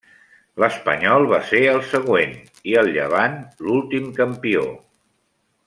L'Espanyol va ser el següent i el Llevant, l'últim campió.